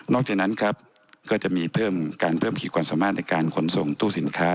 จากนั้นครับก็จะมีการเพิ่มขีดความสามารถในการขนส่งตู้สินค้า